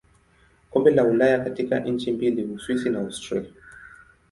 Kombe la Ulaya katika nchi mbili Uswisi na Austria.